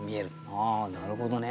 ああなるほどね。